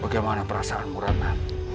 bagaimana perasaanmu ratna